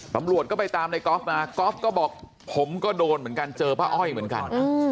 ตำรวจก็ไปตามในกอล์ฟมากอล์ฟก็บอกผมก็โดนเหมือนกันเจอป้าอ้อยเหมือนกัน